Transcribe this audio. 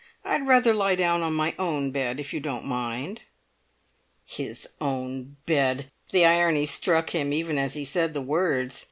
I'd rather lie down on my own bed, if you don't mind." His own bed! The irony struck him even as he said the words.